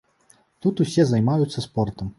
Тут усе займаюцца спортам.